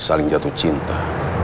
saling jatuh cinta